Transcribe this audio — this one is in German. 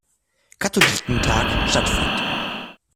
Katholikentag stattfand.